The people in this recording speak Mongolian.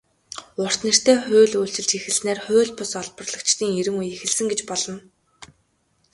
"Урт нэртэй хууль" үйлчилж эхэлснээр хууль бус олборлогчдын эрин үе эхэлсэн гэж болно.